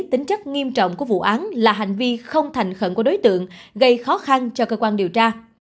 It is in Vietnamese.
tính chất nghiêm trọng của vụ án là hành vi không thành khẩn của đối tượng gây khó khăn cho cơ quan điều tra